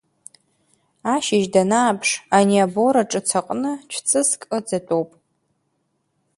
Ашьыжь данааԥш, ани абора ҿыц аҟны цәҵыск ыҵатәоуп.